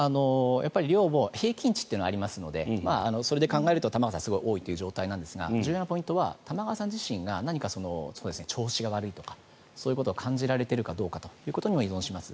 量も平均値というのがありますのでそれで考えると玉川さんはすごく多いという状態なんですが重要なポイントは玉川さん自身が何か、調子が悪いとかそういうことを感じられているかどうかにも依存します。